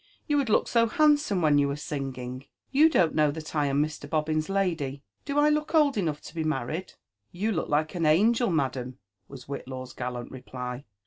you would look so handsome when you were singing! You don*t know that I am Mr. Bobbin's lady? Do I look old enough to be married ?"You look like an angel, madam !" was Whitlaw's gallant reply.